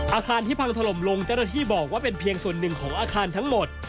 อาคารที่พังถล่มลงเจ้าหน้าที่บอกว่าเป็นเพียงส่วนหนึ่งของอาคารทั้งหมด